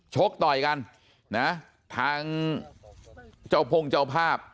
ชกต่อยกันนะทางเจ้าพงเจ้าภาพ